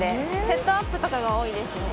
セットアップとかが多いですね。